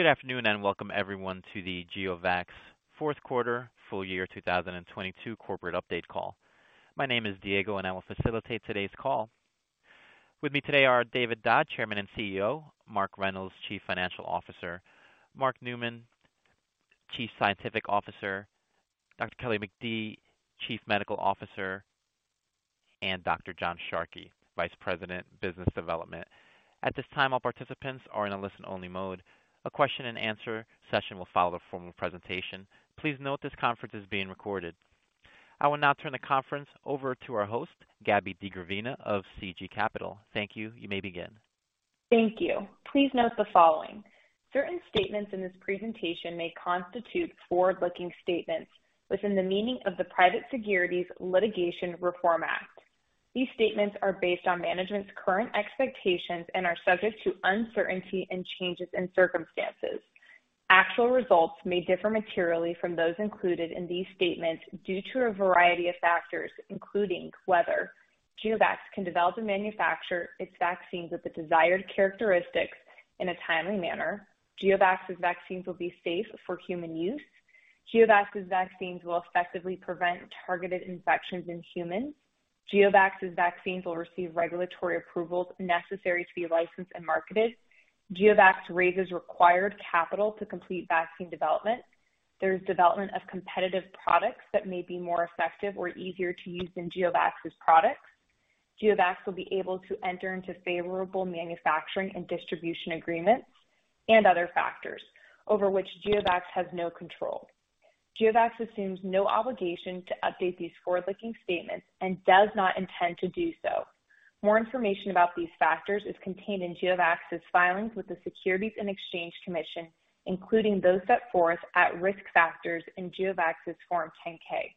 Good afternoon, and welcome everyone to the GeoVax fourth quarter full-year 2022 corporate update call. My name is Diego and I will facilitate today's call. With me today are David Dodd, Chairman and CEO, Mark Reynolds, Chief Financial Officer, Mark Newman, Chief Scientific Officer, Dr. Kelly McKee, Chief Medical Officer, and Dr. John Sharkey, Vice President, Business Development. At this time, all participants are in a listen-only mode. A question and answer session will follow the formal presentation. Please note this conference is being recorded. I will now turn the conference over to our host, Gabby DeGravina of CG Capital. Thank you. You may begin. Thank you. Please note the following. Certain statements in this presentation may constitute forward-looking statements within the meaning of the Private Securities Litigation Reform Act. These statements are based on management's current expectations and are subject to uncertainty and changes in circumstances. Actual results may differ materially from those included in these statements due to a variety of factors, including whether GeoVax can develop and manufacture its vaccines with the desired characteristics in a timely manner, GeoVax's vaccines will be safe for human use, GeoVax's vaccines will effectively prevent targeted infections in humans, GeoVax's vaccines will receive regulatory approvals necessary to be licensed and marketed, GeoVax raises required capital to complete vaccine development, there's development of competitive products that may be more effective or easier to use than GeoVax's products, GeoVax will be able to enter into favorable manufacturing and distribution agreements, and other factors over which GeoVax has no control. GeoVax assumes no obligation to update these forward-looking statements and does not intend to do so. More information about these factors is contained in GeoVax's filings with the Securities and Exchange Commission, including those set forth at Risk Factors in GeoVax's Form 10-K.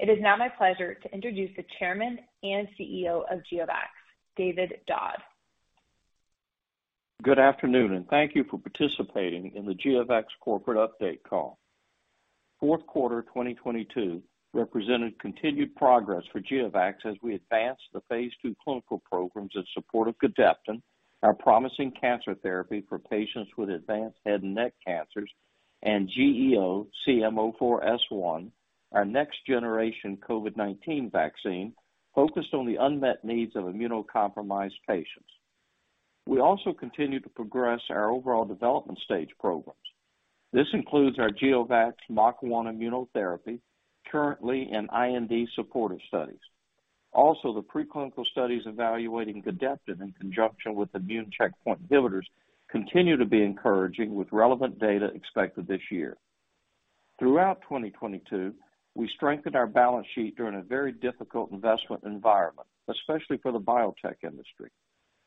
It is now my pleasure to introduce the Chairman and CEO of GeoVax, David Dodd. Good afternoon. Thank you for participating in the GeoVax corporate update call. Fourth quarter 2022 represented continued progress for GeoVax as we advanced the phase II clinical programs in support of Gedeptin, our promising cancer therapy for patients with advanced head and neck cancers, and GEO-CM04S1, our next generation COVID-19 vaccine focused on the unmet needs of immunocompromised patients. We continue to progress our overall development stage programs. This includes our GeoVax MUC1 immunotherapy currently in IND-supported studies. The preclinical studies evaluating Gedeptin in conjunction with immune checkpoint inhibitors continue to be encouraging, with relevant data expected this year. Throughout 2022, we strengthened our balance sheet during a very difficult investment environment, especially for the biotech industry.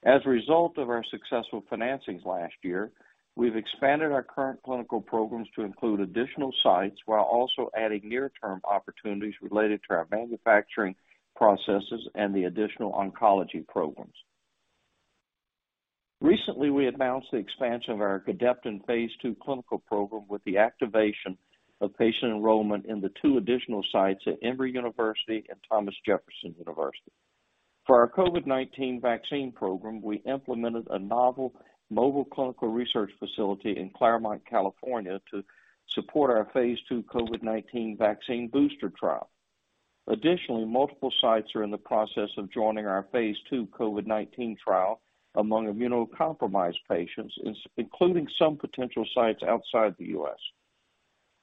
As a result of our successful financings last year, we've expanded our current clinical programs to include additional sites while also adding near-term opportunities related to our manufacturing processes and the additional oncology programs. Recently, we announced the expansion of our Gedeptin phase II clinical program with the activation of patient enrollment in the two additional sites at Emory University and Thomas Jefferson University. For our COVID-19 vaccine program, we implemented a novel mobile clinical research facility in Claremont, California to support our phase II COVID-19 vaccine booster trial. Additionally, multiple sites are in the process of joining our phase II COVID-19 trial among immunocompromised patients, including some potential sites outside the U.S.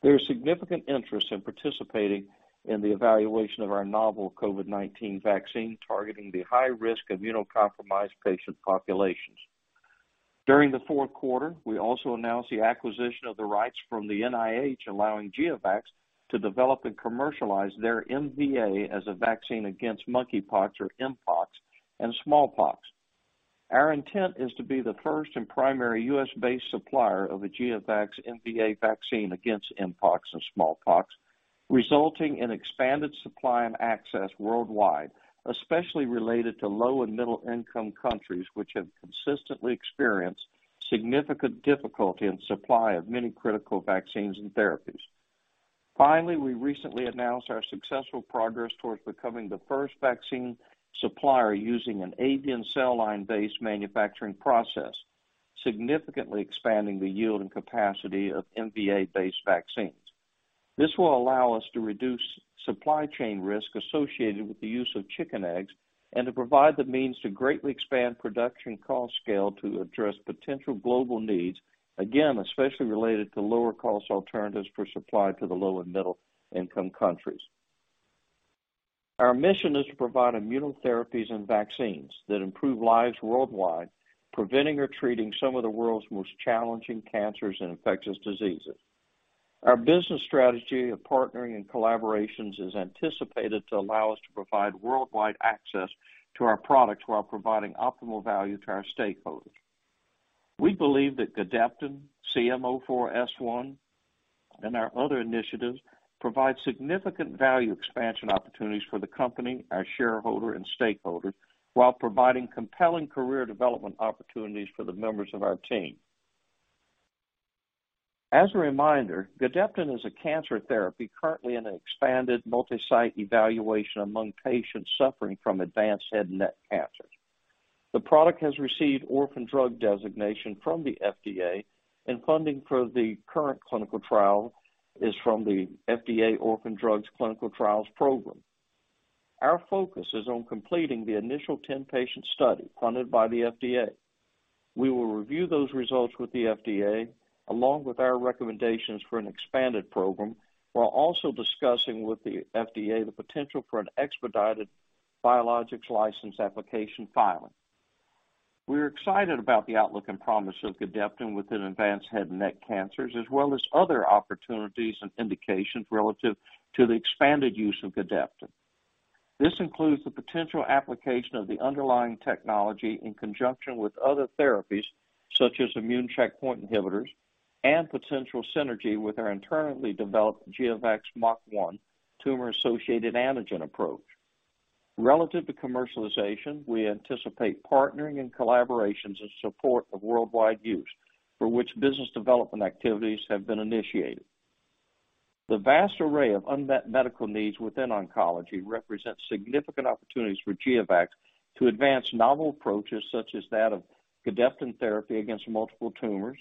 There is significant interest in participating in the evaluation of our novel COVID-19 vaccine targeting the high-risk immunocompromised patient populations. During the fourth quarter, we also announced the acquisition of the rights from the NIH, allowing GeoVax to develop and commercialize their MVA as a vaccine against monkeypox or Mpox and smallpox. Our intent is to be the first and primary U.S.-based supplier of a GeoVax MVA vaccine against Mpox and smallpox, resulting in expanded supply and access worldwide, especially related to low and middle income countries which have consistently experienced significant difficulty in supply of many critical vaccines and therapies. We recently announced our successful progress towards becoming the first vaccine supplier using an avian cell line-based manufacturing process, significantly expanding the yield and capacity of MVA-based vaccines. This will allow us to reduce supply chain risk associated with the use of chicken eggs and to provide the means to greatly expand production cost scale to address potential global needs, again, especially related to lower cost alternatives for supply to the low and middle income countries. Our mission is to provide immunotherapies and vaccines that improve lives worldwide, preventing or treating some of the world's most challenging cancers and infectious diseases. Our business strategy of partnering and collaborations is anticipated to allow us to provide worldwide access to our products while providing optimal value to our stakeholders. We believe that Gedeptin, CM04S1, and our other initiatives provide significant value expansion opportunities for the company, our shareholder and stakeholders while providing compelling career development opportunities for the members of our team. As a reminder, Gedeptin is a cancer therapy currently in an expanded multi-site evaluation among patients suffering from advanced head and neck cancers. The product has received orphan drug designation from the FDA, and funding for the current clinical trial is from the FDA Orphan Drugs Clinical Trials Program. Our focus is on completing the initial 10-patient study funded by the FDA. We will review those results with the FDA along with our recommendations for an expanded program, while also discussing with the FDA the potential for an expedited biologics license application filing. We're excited about the outlook and promise of Gedeptin within advanced head and neck cancers, as well as other opportunities and indications relative to the expanded use of Gedeptin. This includes the potential application of the underlying technology in conjunction with other therapies such as immune checkpoint inhibitors and potential synergy with our internally developed GeoVax MUC1 tumor-associated antigen approach. Relative to commercialization, we anticipate partnering and collaborations in support of worldwide use, for which business development activities have been initiated. The vast array of unmet medical needs within oncology represents significant opportunities for GeoVax to advance novel approaches such as that of Gedeptin therapy against multiple tumors,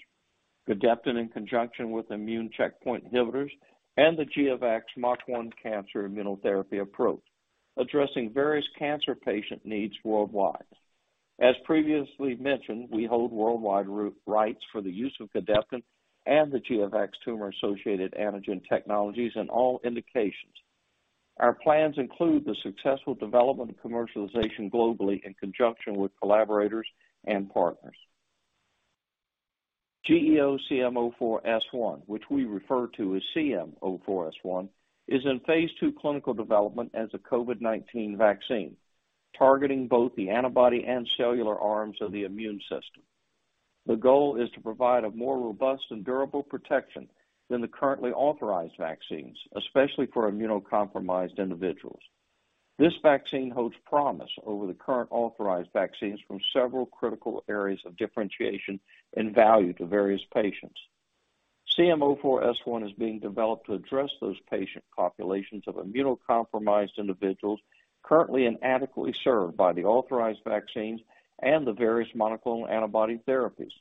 Gedeptin in conjunction with immune checkpoint inhibitors, and the GeoVax MUC1 cancer immunotherapy approach, addressing various cancer patient needs worldwide. As previously mentioned, we hold worldwide rights for the use of Gedeptin and the GeoVax tumor-associated antigen technologies in all indications. Our plans include the successful development and commercialization globally in conjunction with collaborators and partners. GEO-CM04S1, which we refer to as CM04S1, is in phase II clinical development as a COVID-19 vaccine, targeting both the antibody and cellular arms of the immune system. The goal is to provide a more robust and durable protection than the currently authorized vaccines, especially for immunocompromised individuals. This vaccine holds promise over the current authorized vaccines from several critical areas of differentiation and value to various patients. CM04S1 is being developed to address those patient populations of immunocompromised individuals currently inadequately served by the authorized vaccines and the various monoclonal antibody therapies.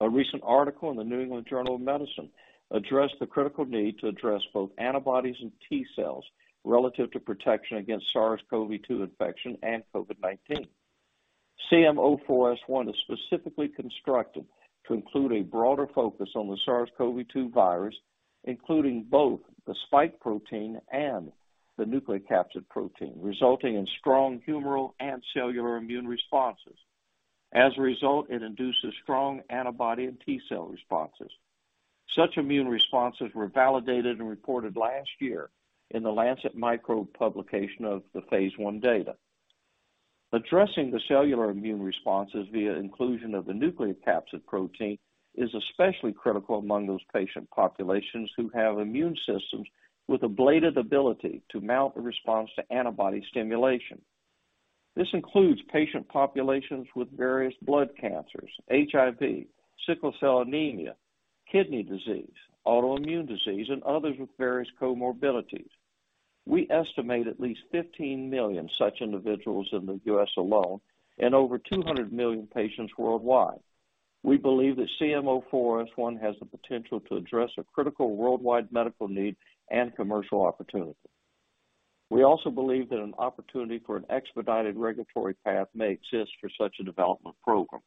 A recent article in the New England Journal of Medicine addressed the critical need to address both antibodies and T cells relative to protection against SARS-CoV-2 infection and COVID-19. CM04S1 is specifically constructed to include a broader focus on the SARS-CoV-2 virus, including both the spike protein and the nucleocapsid protein, resulting in strong humoral and cellular immune responses. It induces strong antibody and T cell responses. Such immune responses were validated and reported last year in The Lancet Microbe publication of the phase I data. Addressing the cellular immune responses via inclusion of the nucleocapsid protein is especially critical among those patient populations who have immune systems with ablated ability to mount a response to antibody stimulation. This includes patient populations with various blood cancers, HIV, sickle cell anemia, kidney disease, autoimmune disease, and others with various comorbidities. We estimate at least 15 million such individuals in the U.S. alone and over 200 million patients worldwide. We believe that CM04S1 has the potential to address a critical worldwide medical need and commercial opportunity. We also believe that an opportunity for an expedited regulatory path may exist for such a development program.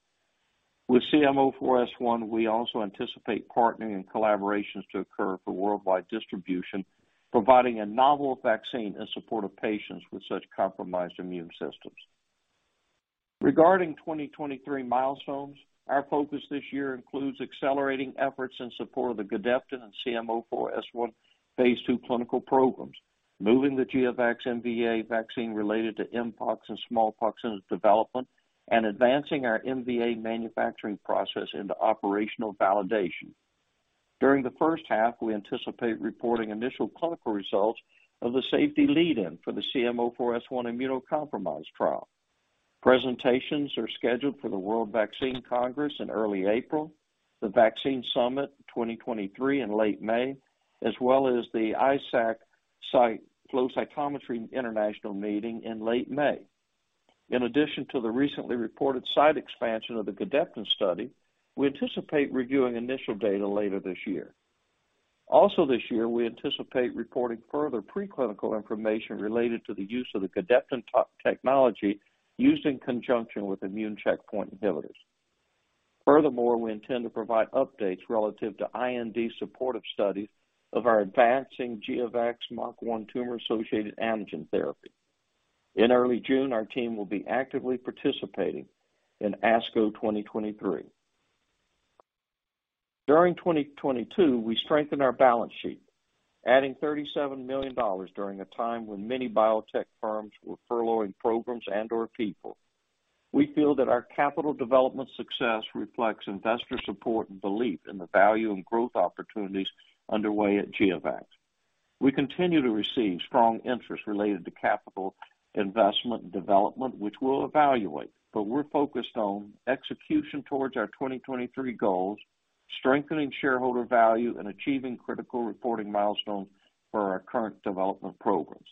With CM04S1, we also anticipate partnering and collaborations to occur for worldwide distribution, providing a novel vaccine in support of patients with such compromised immune systems. Regarding 2023 milestones, our focus this year includes accelerating efforts in support of the Gedeptin and CM04S1 phase II clinical programs, moving the GeoVax MVA vaccine related to mpox and smallpox into development, and advancing our MVA manufacturing process into operational validation. During the first half, we anticipate reporting initial clinical results of the safety lead-in for the CM04S1 immunocompromised trial. Presentations are scheduled for the World Vaccine Congress in early April, the Vaccine Summit 2023 in late May, as well as the ISAC Cytometry International Meeting in late May. In addition to the recently reported site expansion of the Gedeptin study, we anticipate reviewing initial data later this year. Also this year, we anticipate reporting further preclinical information related to the use of the Gedeptin technology used in conjunction with immune checkpoint inhibitors. Furthermore, we intend to provide updates relative to IND supportive studies of our advancing GeoVax MUC1 tumor-associated antigen therapy. In early June, our team will be actively participating in ASCO 2023. During 2022, we strengthened our balance sheet, adding $37 million during a time when many biotech firms were furloughing programs and/or people. We feel that our capital development success reflects investor support and belief in the value and growth opportunities underway at GeoVax. We continue to receive strong interest related to capital investment and development, which we'll evaluate, but we're focused on execution towards our 2023 goals strengthening shareholder value and achieving critical reporting milestones for our current development programs.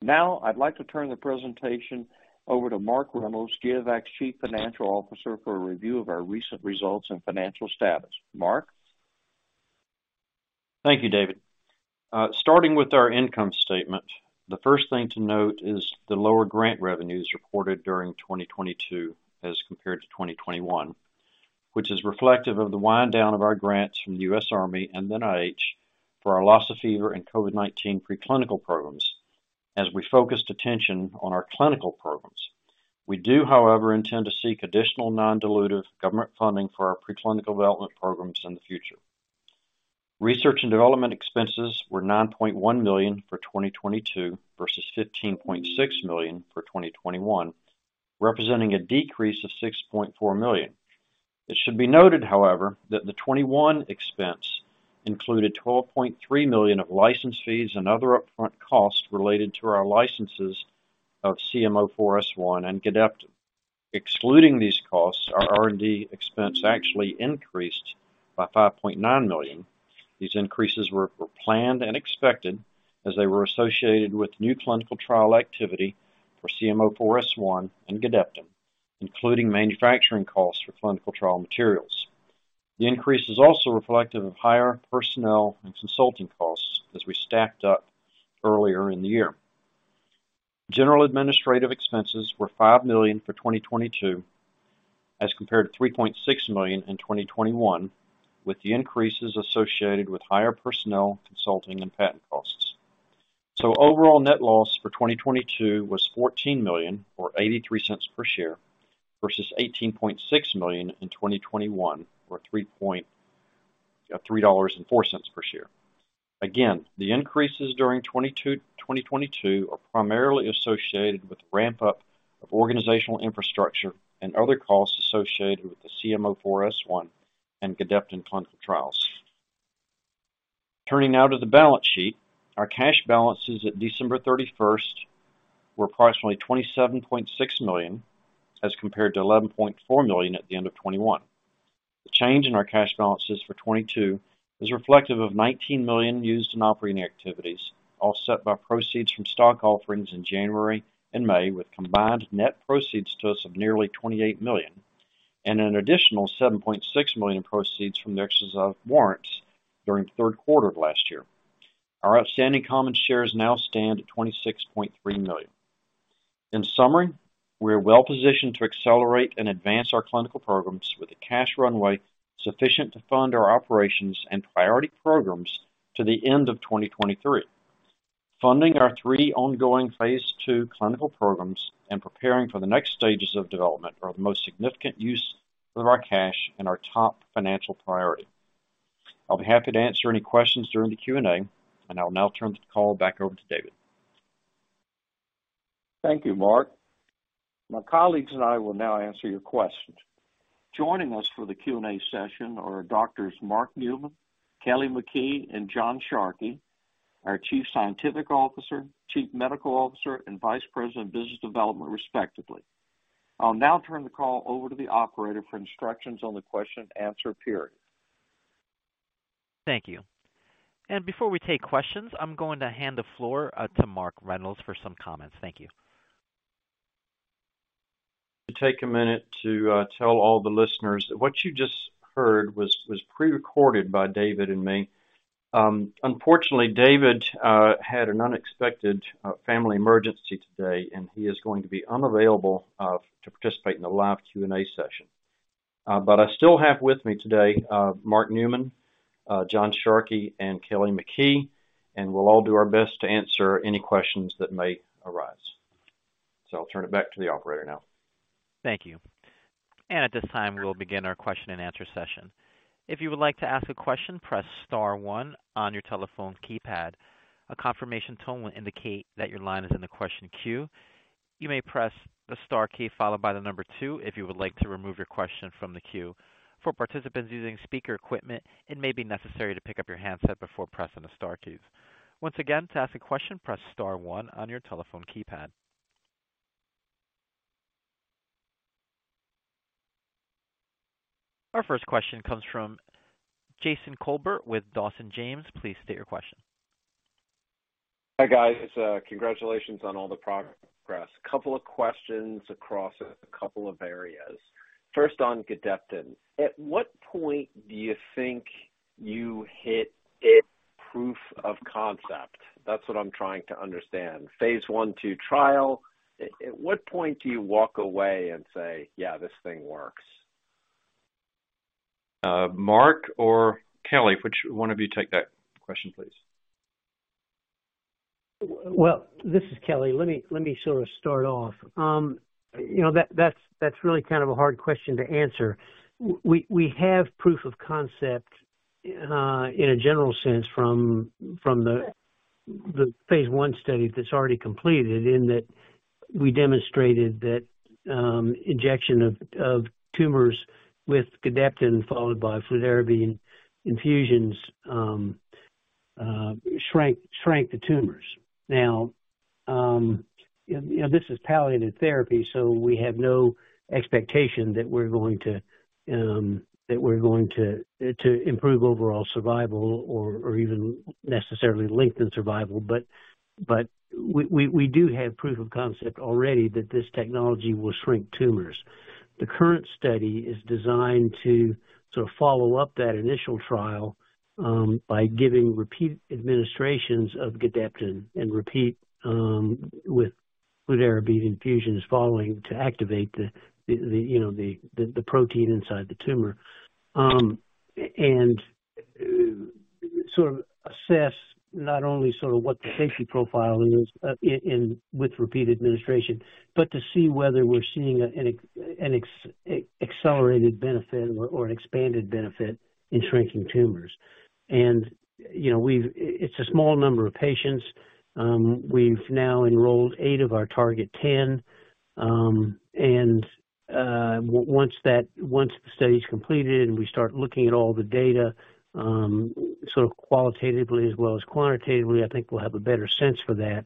Now I'd like to turn the presentation over to Mark Reynolds, GeoVax's Chief Financial Officer, for a review of our recent results and financial status. Mark? Thank you, David. Starting with our income statement, the first thing to note is the lower grant revenues reported during 2022 as compared to 2021, which is reflective of the wind down of our grants from the U.S. Army and the NIH for our Lassa fever in COVID-19 preclinical programs as we focused attention on our clinical programs. We do, however, intend to seek additional non-dilutive government funding for our preclinical development programs in the future. Research and development expenses were $9.1 million for 2022 versus $15.6 million for 2021, representing a decrease of $6.4 million. It should be noted, however, that the 2021 expense included $12.3 million of license fees and other upfront costs related to our licenses of CM04S1 and Gedeptin. Excluding these costs, our R&D expense actually increased by $5.9 million. These increases were planned and expected as they were associated with new clinical trial activity for CM04S1 and Gedeptin, including manufacturing costs for clinical trial materials. The increase is also reflective of higher personnel and consulting costs as we stacked up earlier in the year. General administrative expenses were $5 million for 2022, as compared to $3.6 million in 2021, with the increases associated with higher personnel, consulting, and patent costs. Overall net loss for 2022 was $14 million or $0.83 per share versus $18.6 million in 2021 or $3.04 per share. Again, the increases during 2022 are primarily associated with ramp up of organizational infrastructure and other costs associated with the CM04S1 and Gedeptin clinical trials. Turning now to the balance sheet, our cash balances at December 31st were approximately $27.6 million, as compared to $11.4 million at the end of 2021. The change in our cash balances for 2022 is reflective of $19 million used in operating activities, offset by proceeds from stock offerings in January and May, with combined net proceeds to us of nearly $28 million and an additional $7.6 million proceeds from the exercise of warrants during third quarter of last year. Our outstanding common shares now stand at 26.3 million. In summary, we are well positioned to accelerate and advance our clinical programs with a cash runway sufficient to fund our operations and priority programs to the end of 2023. Funding our three ongoing phase II clinical programs and preparing for the next stages of development are the most significant use of our cash and our top financial priority. I'll be happy to answer any questions during the Q&A. I will now turn the call back over to David. Thank you, Mark. My colleagues and I will now answer your questions. Joining us for the Q&A session are Doctors Mark Newman, Kelly McKee, and John Sharkey, our Chief Scientific Officer, Chief Medical Officer, and Vice President of Business Development, respectively. I'll now turn the call over to the operator for instructions on the question and answer period. Thank you. Before we take questions, I'm going to hand the floor, to Mark Reynolds for some comments. Thank you. To take a minute to tell all the listeners that what you just heard was pre-recorded by David and me. Unfortunately, David had an unexpected family emergency today, and he is going to be unavailable to participate in the live Q&A session. I still have with me today, Mark Newman, John Sharkey, and Kelly McKee, and we'll all do our best to answer any questions that may arise. I'll turn it back to the operator now. Thank you. At this time, we will begin our question and answer session. If you would like to ask a question, press star 1 on your telephone keypad. A confirmation tone will indicate that your line is in the question queue. You may press the star key followed by the number 2 if you would like to remove your question from the queue. For participants using speaker equipment, it may be necessary to pick up your handset before pressing the star keys. Once again, to ask a question, press star 1 on your telephone keypad. Our first question comes from Jason Kolbert with Dawson James. Please state your question. Hi, guys. congratulations on all the progress. Couple of questions across a couple of areas. First, on Gedeptin, at what point do you think you hit a proof of concept? That's what I'm trying to understand. phase I, II trial, at what point do you walk away and say, "Yeah, this thing works"? Mark or Kelly, which one of you take that question, please? This is Kelly. Let me sort of start off. You know, that's really kind of a hard question to answer. We have proof of concept in a general sense from the phase I study that's already completed, in that we demonstrated that injection of tumors with Gedeptin followed by fludarabine infusions shrank the tumors. You know, this is palliative therapy, so we have no expectation that we're going to that we're going to improve overall survival or even necessarily lengthen survival. We do have proof of concept already that this technology will shrink tumors. The current study is designed to sort of follow up that initial trial, by giving repeat administrations of Gedeptin and repeat, with fludarabine infusions following to activate the, you know, the protein inside the tumor. Sort of assess not only sort of what the safety profile is, with repeat administration, but to see whether we're seeing an accelerated benefit or an expanded benefit in shrinking tumors. You know, we've-- it's a small number of patients. We've now enrolled 8 of our target 10. Once that, once the study is completed and we start looking at all the data, sort of qualitatively as well as quantitatively, I think we'll have a better sense for that.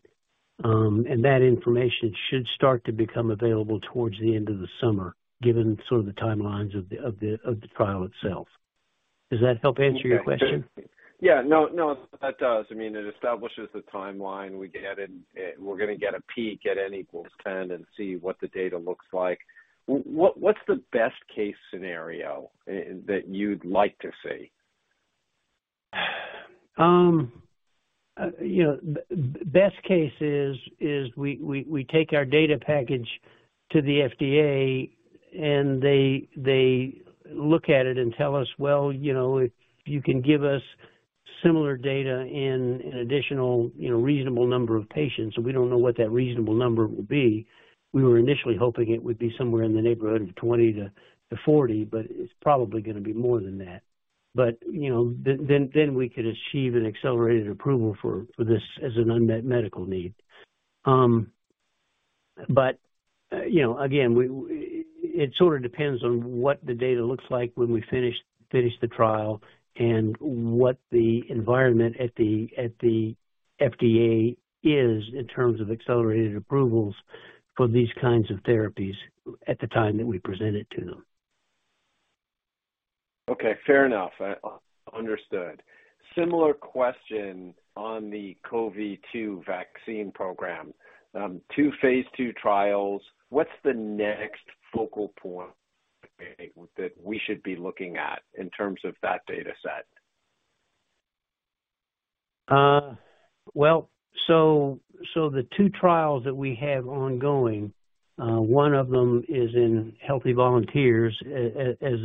That information should start to become available towards the end of the summer, given sort of the timelines of the trial itself. Does that help answer your question? Yeah. No, no, that does. I mean, it establishes the timeline. We get it. We're gonna get a peak at N equals 10 and see what the data looks like. What's the best-case scenario that you'd like to see? You know, best case is we take our data package to the FDA, and they look at it and tell us, "Well, you know, if you can give us similar data in an additional, you know, reasonable number of patients," we don't know what that reasonable number would be. We were initially hoping it would be somewhere in the neighborhood of 20-40, but it's probably gonna be more than that. You know, then we could achieve an accelerated approval for this as an unmet medical need. You know, again, it sort of depends on what the data looks like when we finish the trial and what the environment at the FDA is in terms of accelerated approvals for these kinds of therapies at the time that we present it to them. Okay, fair enough. understood. Similar question on the CoV-2 vaccine program. Two phase II trials. What's the next focal point that we should be looking at in terms of that data set? Well, the two trials that we have ongoing, one of them is in healthy volunteers, as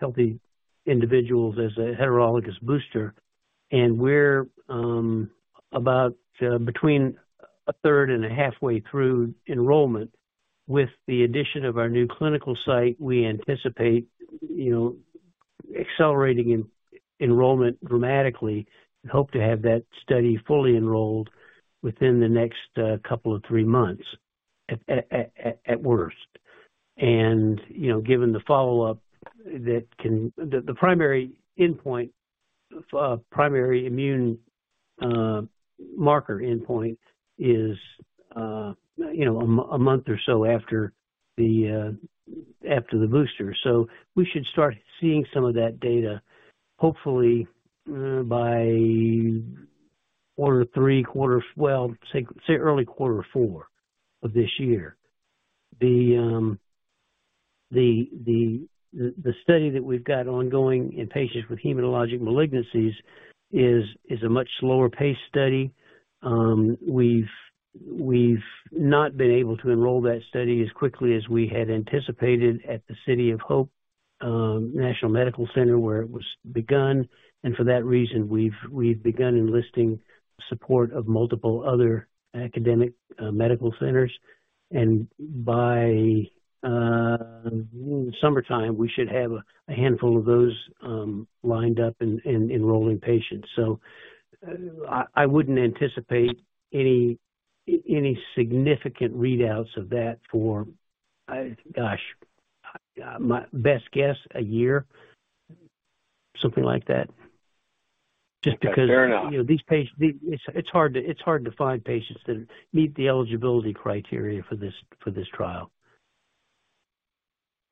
healthy individuals as a heterologous booster. We're about between a third and a halfway through enrollment. With the addition of our new clinical site, we anticipate, you know, accelerating enrollment dramatically and hope to have that study fully enrolled within the next couple of three months at worst. Given the follow-up that can, The primary endpoint, primary immune marker endpoint is, you know, a month or so after the booster. We should start seeing some of that data hopefully by quarter three. Well, say early quarter four of this year. The study that we've got ongoing in patients with hematologic malignancies is a much slower paced study. We've not been able to enroll that study as quickly as we had anticipated at the City of Hope National Medical Center where it was begun. For that reason, we've begun enlisting support of multiple other academic medical centers. By summertime, we should have a handful of those lined up and enrolling patients. I wouldn't anticipate any significant readouts of that for gosh, my best guess, a year, something like that. Just because. Fair enough. You know, It's hard to find patients that meet the eligibility criteria for this trial.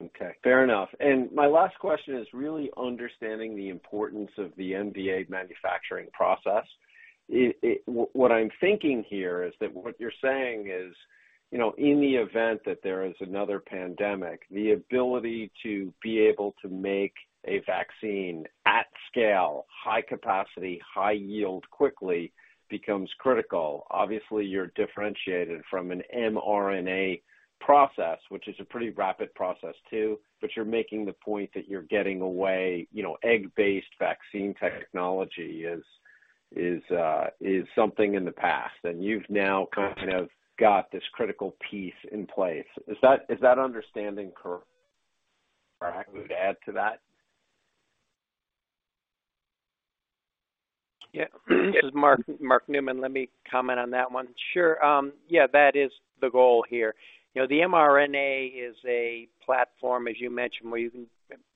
Okay, fair enough. My last question is really understanding the importance of the MVA manufacturing process. What I'm thinking here is that what you're saying is, you know, in the event that there is another pandemic, the ability to be able to make a vaccine at scale, high capacity, high yield quickly becomes critical. Obviously, you're differentiated from an mRNA process, which is a pretty rapid process too, but you're making the point that you're getting away, you know, egg-based vaccine technology is something in the past, and you've now kind of got this critical piece in place. Is that understanding correct? Mark, would you add to that? This is Mark Newman. Let me comment on that one. Sure. Yeah, that is the goal here. You know, the mRNA is a platform, as you mentioned, where it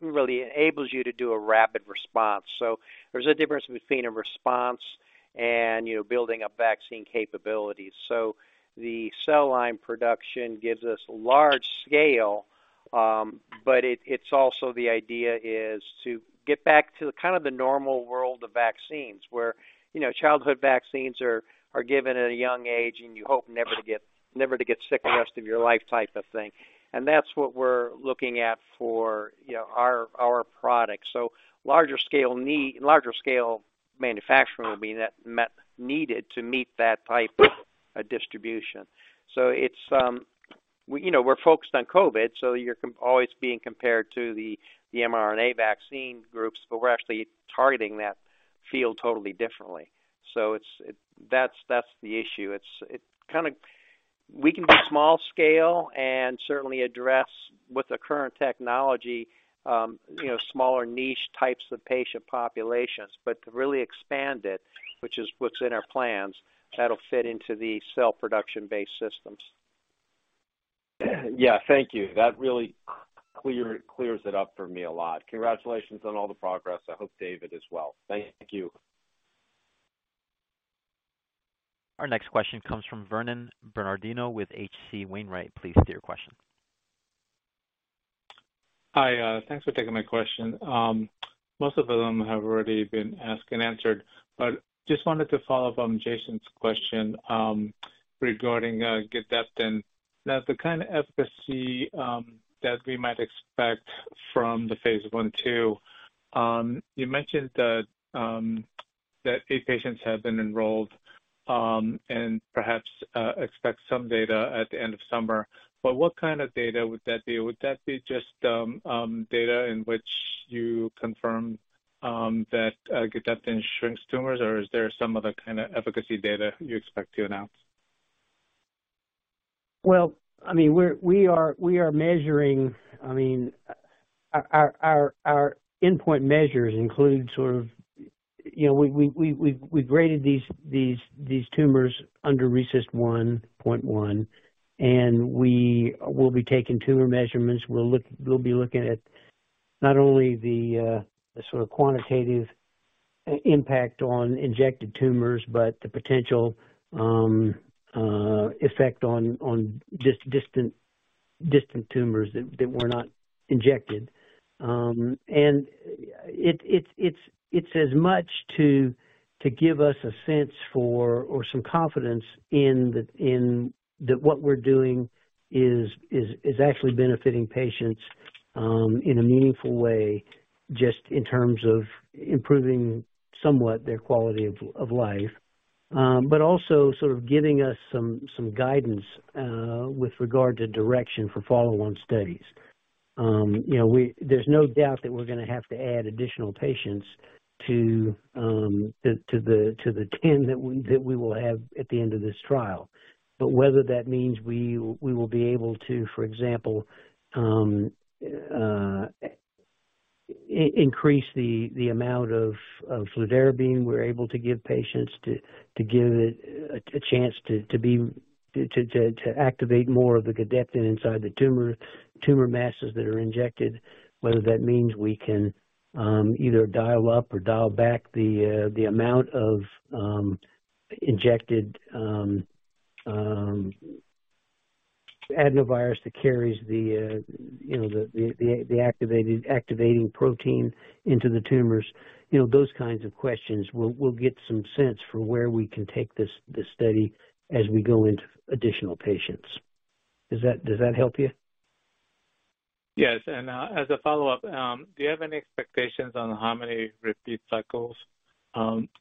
really enables you to do a rapid response. There's a difference between a response You know, building up vaccine capabilities. The cell line production gives us large scale, but it's also the idea is to get back to kind of the normal world of vaccines where, you know, childhood vaccines are given at a young age, and you hope never to get sick the rest of your life type of thing. That's what we're looking at for, you know, our products. Larger scale need, larger scale manufacturing will be needed to meet that type of distribution. It's, we, you know, we're focused on COVID, so you're always being compared to the mRNA vaccine groups, but we're actually targeting that field totally differently. It's, that's the issue. It's, it kind of. We can be small scale and certainly address with the current technology, you know, smaller niche types of patient populations. To really expand it, which is what's in our plans, that'll fit into the cell production-based systems. Yeah. Thank you. That really clears it up for me a lot. Congratulations on all the progress. I hope David as well. Thank you. Our next question comes from Vernon Bernardino with H.C. Wainwright. Please state your question. Hi. Thanks for taking my question. Most of them have already been asked and answered, but just wanted to follow up on Jason's question, regarding Gedeptin. Now, the kind of efficacy that we might expect from the phase I, II. You mentioned that eight patients have been enrolled, and perhaps expect some data at the end of summer. What kind of data would that be? Would that be just data in which you confirm that Gedeptin shrinks tumors, or is there some other kind of efficacy data you expect to announce? Well, I mean, we're measuring. I mean, our endpoint measures include sort of, you know, we graded these tumors under RECIST 1.1, and we will be taking tumor measurements. We'll be looking at not only the sort of quantitative impact on injected tumors, but the potential effect on distant tumors that were not injected. It's as much to give us a sense for or some confidence in that what we're doing is actually benefiting patients in a meaningful way, just in terms of improving somewhat their quality of life. Also sort of giving us some guidance with regard to direction for follow-on studies. You know, there's no doubt that we're gonna have to add additional patients to the 10 that we will have at the end of this trial. Whether that means we will be able to, for example, increase the amount of fludarabine we're able to give patients to give it a chance to be to activate more of the Gedeptin inside the tumor masses that are injected. Whether that means we can either dial up or dial back the amount of injected adenovirus that carries you know, the activated, activating protein into the tumors. You know, those kinds of questions. We'll get some sense for where we can take this study as we go into additional patients. Does that help you? Yes. As a follow-up, do you have any expectations on how many repeat cycles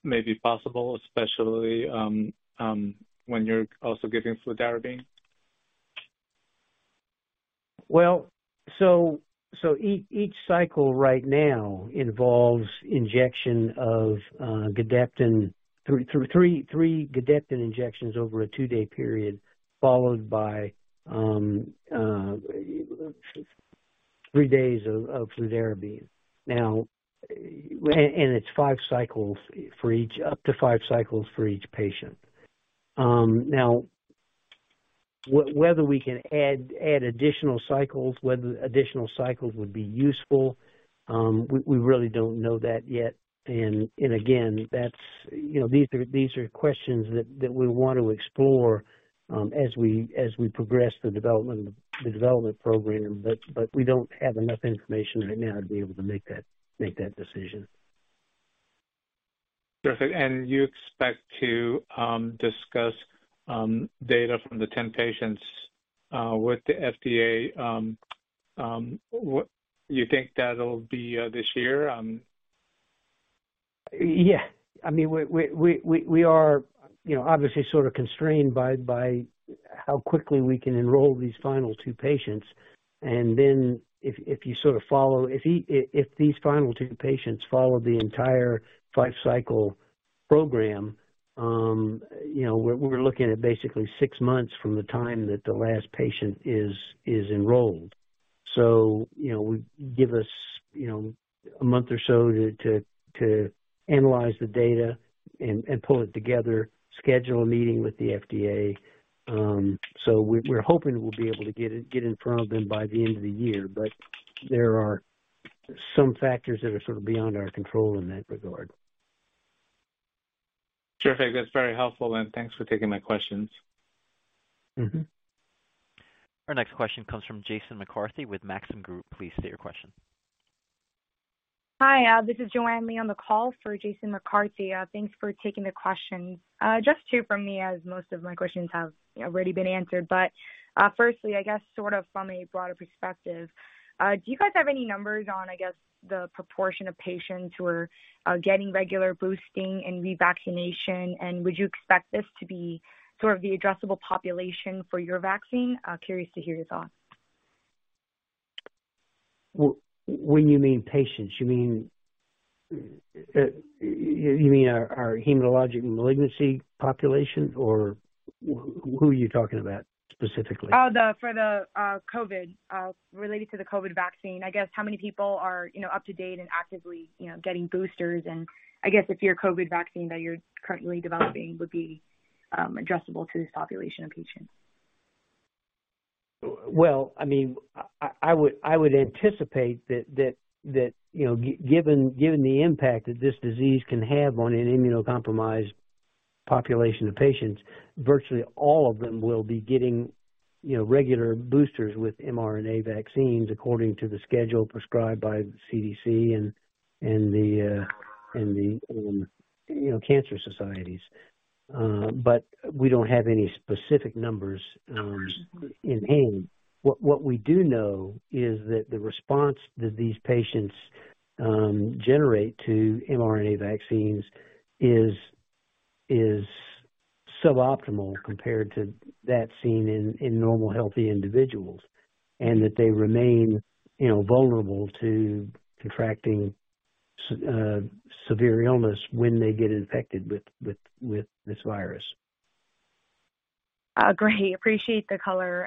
may be possible, especially when you're also giving fludarabine? Each cycle right now involves injection of Gedeptin through three Gedeptin injections over a two-day period, followed by three days of fludarabine. It's five cycles for each, up to five cycles for each patient. Whether we can add additional cycles, whether additional cycles would be useful, we really don't know that yet. Again, that's, you know, these are questions that we want to explore as we progress the development program. We don't have enough information right now to be able to make that decision. Perfect. You expect to discuss data from the 10 patients with the FDA. You think that'll be this year? I mean, we are, you know, obviously sort of constrained by how quickly we can enroll these final two patients. If you sort of follow. If these final two patients follow the entire five-cycle program, you know, we're looking at basically six months from the time that the last patient is enrolled. You know, give us, you know, a month or so to analyze the data and pull it together, schedule a meeting with the FDA. We're hoping we'll be able to get in front of them by the end of the year. There are some factors that are sort of beyond our control in that regard. Perfect. That's very helpful, and thanks for taking my questions. Mm-hmm. Our next question comes from Jason McCarthy with Maxim Group. Please state your question. Hi, this is Joanne Lee on the call for Jason McCarthy. Thanks for taking the questions. Just two from me, as most of my questions have, you know, already been answered. Firstly, I guess sort of from a broader perspective, do you guys have any numbers on, I guess, the proportion of patients who are getting regular boosting and revaccination? Would you expect this to be sort of the addressable population for your vaccine? I'm curious to hear your thoughts. Well, when you mean patients, you mean our hematologic malignancy population, or who are you talking about specifically? Oh, the, for the COVID related to the COVID vaccine, I guess how many people are, you know, up to date and actively, you know, getting boosters, and I guess if your COVID vaccine that you're currently developing would be addressable to this population of patients? Well, I mean, I would anticipate that, you know, given the impact that this disease can have on an immunocompromised population of patients, virtually all of them will be getting, you know, regular boosters with mRNA vaccines according to the schedule prescribed by CDC and the, you know, cancer societies. We don't have any specific numbers in hand. What we do know is that the response that these patients generate to mRNA vaccines is suboptimal compared to that seen in normal, healthy individuals, and that they remain, you know, vulnerable to contracting severe illness when they get infected with this virus. Great. Appreciate the color.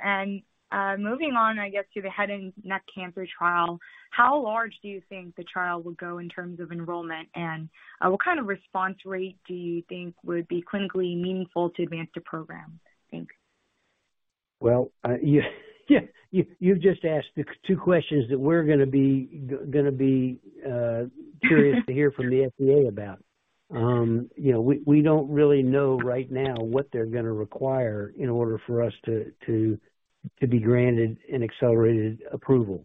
Moving on, I guess, to the head and neck cancer trial, how large do you think the trial will go in terms of enrollment? What kind of response rate do you think would be clinically meaningful to advance the program? Thanks. Well, yeah. You've just asked the two questions that we're gonna be curious to hear from the FDA about. You know, we don't really know right now what they're gonna require in order for us to be granted an accelerated approval.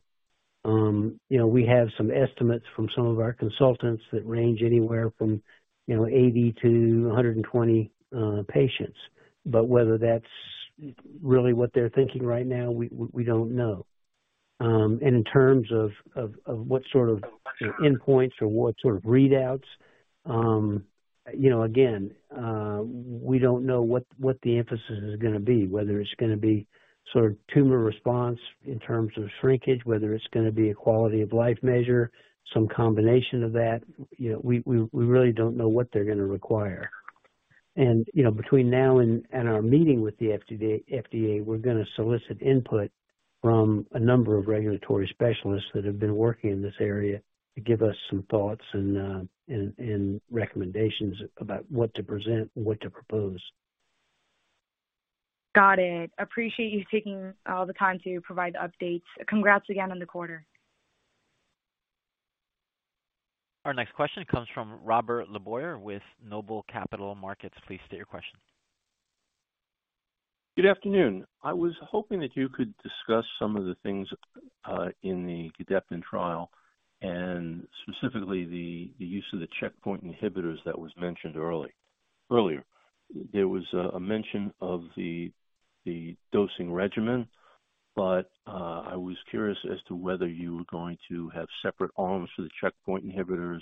You know, we have some estimates from some of our consultants that range anywhere from, you know, 80-120 patients. Whether that's really what they're thinking right now, we don't know. And in terms of what sort of endpoints or what sort of readouts, you know, again, we don't know what the emphasis is gonna be, whether it's gonna be sort of tumor response in terms of shrinkage, whether it's gonna be a quality of life measure, some combination of that. You know, we really don't know what they're gonna require. You know, between now and our meeting with the FDA, we're gonna solicit input from a number of regulatory specialists that have been working in this area to give us some thoughts and recommendations about what to present and what to propose. Got it. Appreciate you taking all the time to provide the updates. Congrats again on the quarter. Our next question comes from Robert LeBoyer with Noble Capital Markets. Please state your question. Good afternoon. I was hoping that you could discuss some of the things in the Gedeptin trial and specifically the use of the checkpoint inhibitors that was mentioned earlier. There was a mention of the dosing regimen, but I was curious as to whether you were going to have separate arms for the checkpoint inhibitors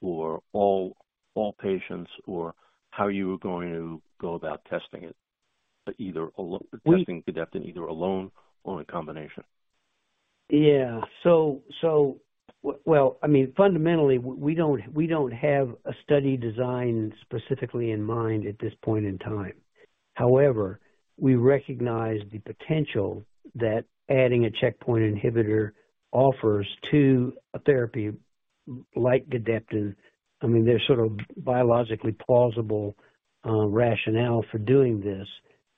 or all patients or how you were going to go about testing it, either testing Gedeptin either alone or in combination. Yeah. Well, I mean, fundamentally we don't have a study design specifically in mind at this point in time. However, we recognize the potential that adding a checkpoint inhibitor offers to a therapy like Gedeptin. I mean, there's sort of biologically plausible rationale for doing this.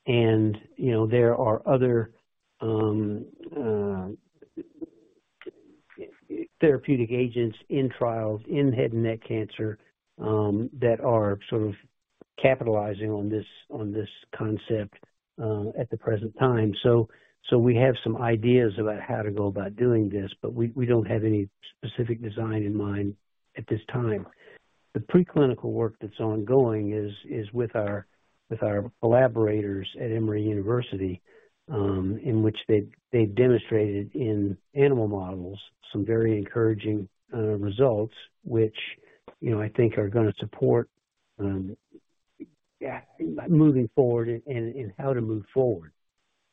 You know, there are other therapeutic agents in trials in head and neck cancer that are sort of capitalizing on this concept at the present time. We have some ideas about how to go about doing this, but we don't have any specific design in mind at this time. The preclinical work that's ongoing is with our collaborators at Emory University, in which they've demonstrated in animal models some very encouraging results which, you know, I think are gonna support moving forward and how to move forward.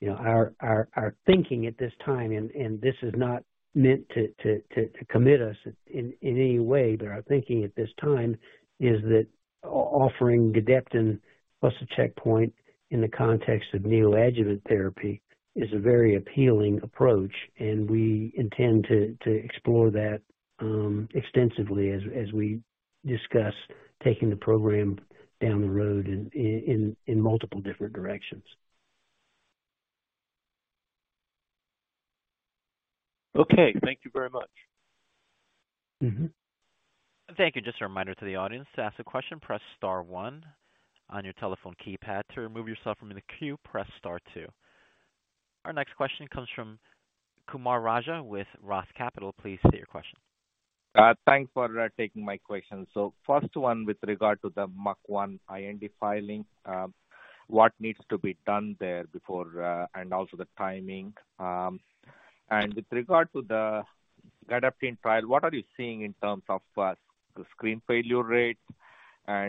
You know, our thinking at this time, and this is not meant to commit us in any way, but our thinking at this time is that offering Gedeptin plus a checkpoint in the context of neoadjuvant therapy is a very appealing approach, and we intend to explore that extensively as we discuss taking the program down the road in multiple different directions. Okay. Thank you very much. Mm-hmm. Thank you. Just a reminder to the audience, to ask a question, press star one on your telephone keypad. To remove yourself from the queue, press star two. Our next question comes from Kumar Raja with ROTH Capital Partners. Please state your question. Thanks for taking my question. First one with regard to the MUC1 IND filing, what needs to be done there before, and also the timing? With regard to the Gedeptin trial, what are you seeing in terms of the screen failure rate?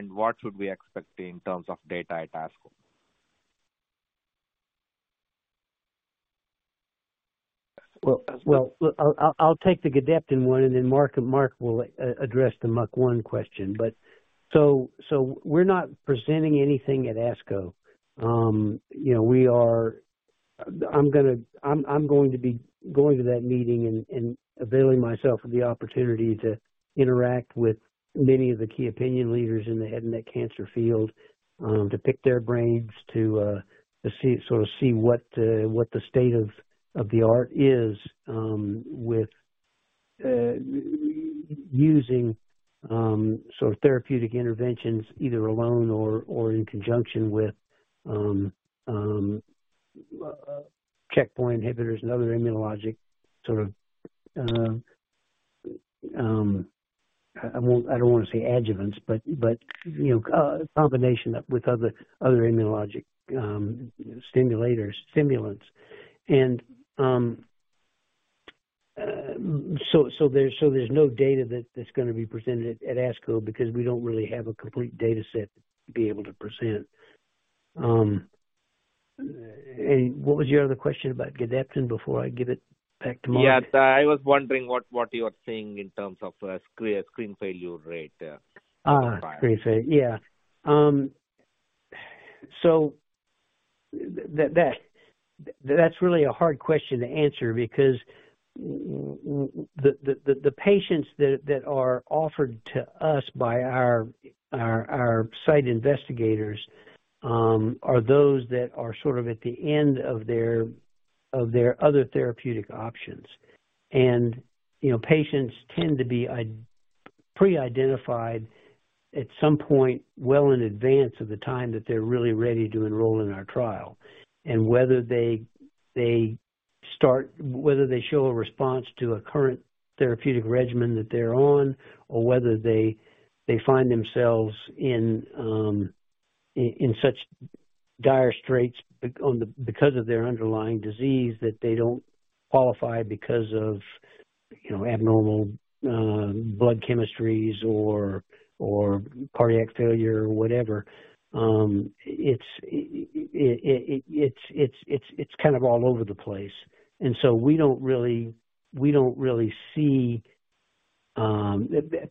What should we expect in terms of data at ASCO? Well, I'll take the Gedeptin one, and then Mark will address the MUC1 question. We're not presenting anything at ASCO. you know, we are going to be going to that meeting and availing myself of the opportunity to interact with many of the key opinion leaders in the head neck cancer field, to pick their brains to see, sort of see what the state of the art is, with using sort of therapeutic interventions either alone or in conjunction with checkpoint inhibitors and other immunologic sort of, I don't wanna say adjuvants, but, you know, combination up with other immunologic stimulators, stimulants. So there's no data that's gonna be presented at ASCO because we don't really have a complete data set to be able to present. What was your other question about Gedeptin before I give it back to Mark? Yeah. I was wondering what you're seeing in terms of screen failure rate prior. Screen failure. Yeah. That's really a hard question to answer because the patients that are offered to us by our site investigators are those that are sort of at the end of their other therapeutic options. You know, patients tend to be pre-identified at some point well in advance of the time that they're really ready to enroll in our trial. Whether they start, whether they show a response to a current therapeutic regimen that they're on or whether they find themselves in such dire straits because of their underlying disease that they don't qualify because of, you know, abnormal blood chemistries or cardiac failure or whatever. It's kind of all over the place. We don't really see,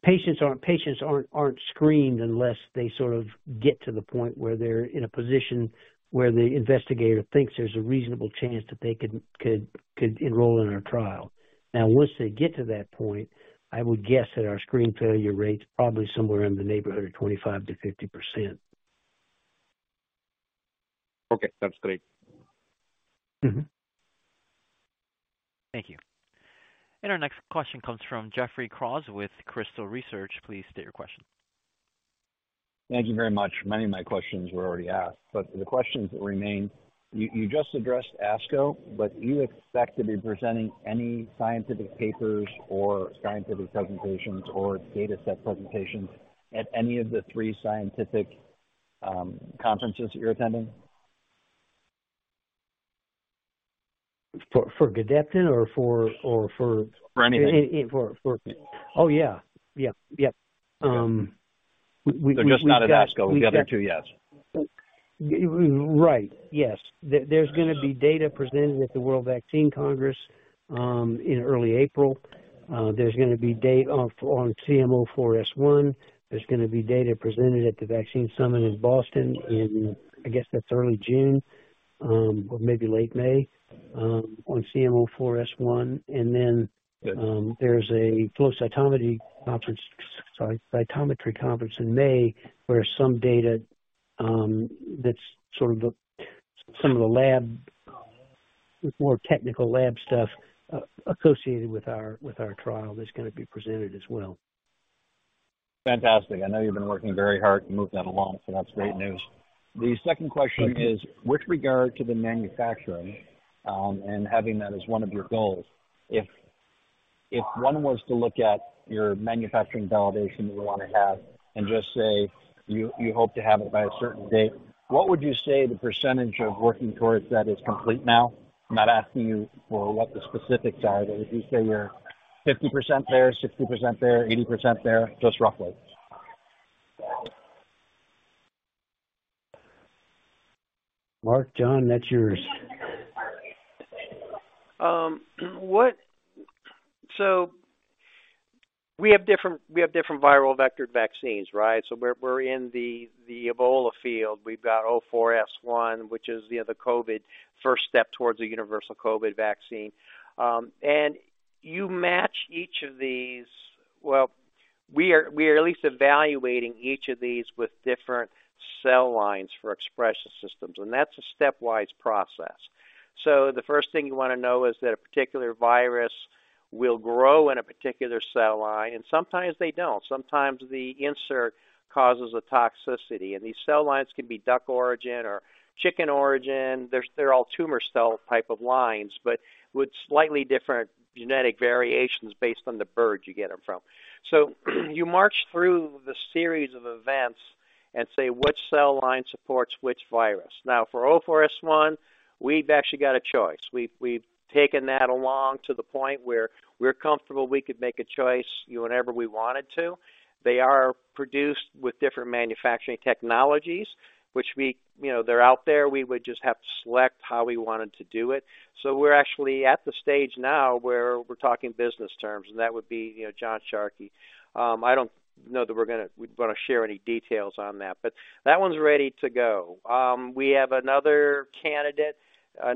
patients aren't screened unless they sort of get to the point where they're in a position where the investigator thinks there's a reasonable chance that they could enroll in our trial. Now, once they get to that point, I would guess that our screen failure rate's probably somewhere in the neighborhood of 25%-50%. Okay. That's great. Mm-hmm. Thank you. Our next question comes from Jeffrey Kraws with Crystal Research. Please state your question. Thank you very much. Many of my questions were already asked, but the questions remain. You just addressed ASCO, but do you expect to be presenting any scientific papers or scientific presentations or data set presentations at any of the three scientific conferences that you're attending? For Gedeptin or for For anything. In for Oh, yeah. Yeah. Yeah. we Just not at ASCO. The other two, yes. Right. Yes. There, there's gonna be data presented at the World Vaccine Congress in early April. There's gonna be data on CM04S1. There's gonna be data presented at the Vaccines Summit in Boston in, I guess, that's early June, or maybe late May, on CM04S1. Good. There's a CYTO conference in May, where some data, that's sort of the, some of the lab, more technical lab stuff associated with our, with our trial is gonna be presented as well. Fantastic. I know you've been working very hard to move that along. That's great news. The second question is with regard to the manufacturing, and having that as one of your goals. If one was to look at your manufacturing validation that you wanna have and just say you hope to have it by a certain date, what would you say the percentage of working towards that is complete now? I'm not asking you for what the specifics are, but would you say you're 50% there, 60% there, 80% there? Just roughly. Mark, John, that's yours. We have different viral vectored vaccines, right? We're in the Ebola field. We've got CM04S1, which is the COVID first step towards a universal COVID vaccine. You match each of these. We are at least evaluating each of these with different cell lines for expression systems. That's a stepwise process. The first thing you wanna know is that a particular virus will grow in a particular cell line. Sometimes they don't. Sometimes the insert causes a toxicity. These cell lines can be duck origin or chicken origin. They're all tumor cell type of lines with slightly different genetic variations based on the bird you get them from. You march through the series of events and say which cell line supports which virus. Now, for CM04S1, we've actually got a choice. We've taken that along to the point where we're comfortable we could make a choice whenever we wanted to. They are produced with different manufacturing technologies, which we, you know, they're out there. We would just have to select how we wanted to do it. We're actually at the stage now where we're talking business terms, and that would be, you know, John Sharkey. I don't know that we'd wanna share any details on that, but that one's ready to go. We have another candidate,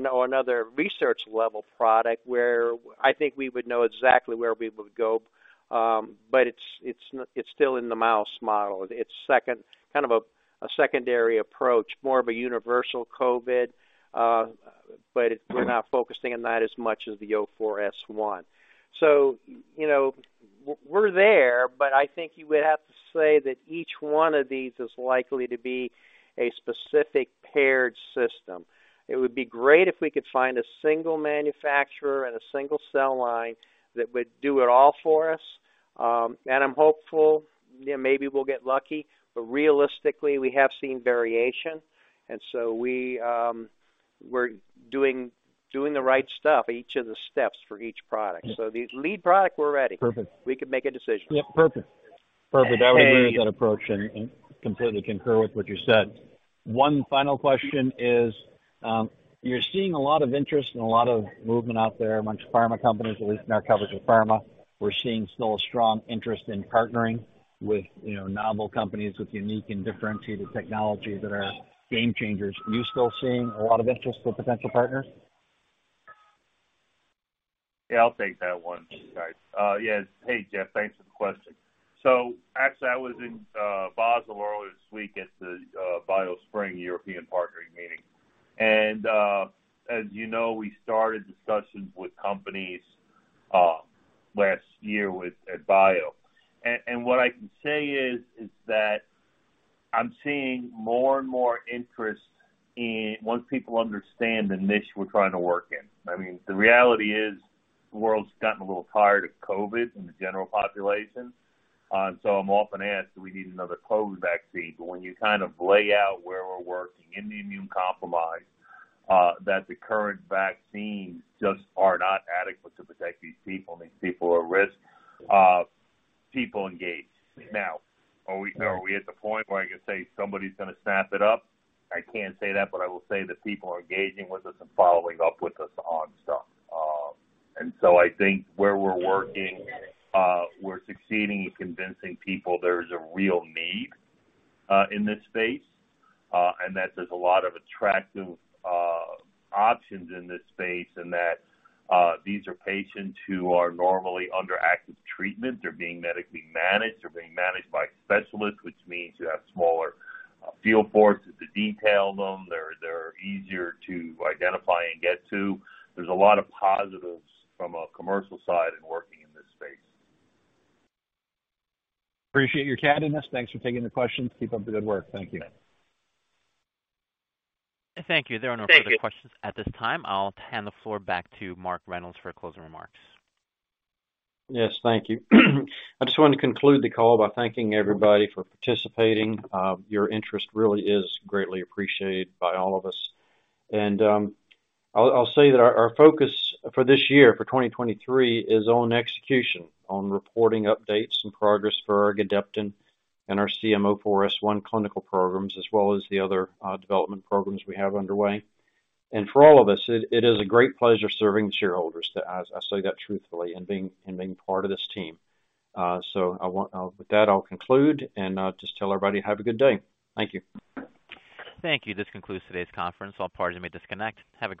no another research level product where I think we would know exactly where we would go, but it's still in the mouse model. It's kind of a secondary approach, more of a universal COVID, but we're not focusing on that as much as the O4S1. You know, we're there, but I think you would have to say that each one of these is likely to be a specific paired system. It would be great if we could find a single manufacturer and a single cell line that would do it all for us. I'm hopeful, you know, maybe we'll get lucky. Realistically, we have seen variation, and so we're doing the right stuff, each of the steps for each product. The lead product, we're ready. Perfect. We can make a decision. Yeah. Perfect. Perfect. Hey- I would agree with that approach and completely concur with what you said. One final question is, you're seeing a lot of interest and a lot of movement out there amongst pharma companies, at least in our coverage of pharma. We're seeing still a strong interest in partnering with, you know, novel companies with unique and differentiated technologies that are game changers. Are you still seeing a lot of interest with potential partners? Yeah, I'll take that one, guys. Yes. Hey, Jeff. Thanks for the question. Actually, I was in Basel earlier this week at the BIO Spring European partnering meeting. As you know, we started discussions with companies last year at BIO. What I can say is that I'm seeing more and more interest in once people understand the niche we're trying to work in. I mean, the reality is the world's gotten a little tired of COVID in the general population, I'm often asked, do we need another COVID vaccine? When you kind of lay out where we're working in the immune-compromised, that the current vaccines just are not adequate to protect these people, these people are at risk. People engage. Are we at the point where I can say somebody's gonna snap it up? I can't say that, but I will say that people are engaging with us and following up with us on stuff. I think where we're working, we're succeeding in convincing people there's a real need in this space, and that there's a lot of attractive options in this space, and that these are patients who are normally under active treatment. They're being medically managed. They're being managed by specialists, which means you have smaller field force to detail them. They're easier to identify and get to. There's a lot of positives from a commercial side in working in this space. Appreciate your candidness. Thanks for taking the questions. Keep up the good work. Thank you. Thank you. Thank you. There are no further questions at this time. I'll hand the floor back to Mark Reynolds for closing remarks. Yes. Thank you. I just wanted to conclude the call by thanking everybody for participating. Your interest really is greatly appreciated by all of us. I'll say that our focus for this year, for 2023, is on execution, on reporting updates and progress for our Gedeptin and our CM04S1 clinical programs, as well as the other development programs we have underway. For all of us, it is a great pleasure serving shareholders, as I say that truthfully, and being part of this team. With that, I'll conclude and just tell everybody have a good day. Thank you. Thank you. This concludes today's conference. All parties may disconnect. Have a good one.